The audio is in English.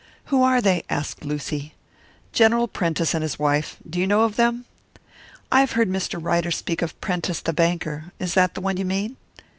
"Who are they?" asked Lucy. "General Prentice and his wife. Do you know of them?" "I have heard Mr. Ryder speak of Prentice the banker. Is that the one you mean?"